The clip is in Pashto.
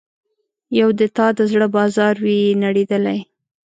یو د تا د زړه بازار وي نړیدلی